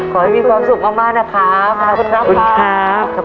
ขอให้มีความสุขมากนะครับขอบคุณครับ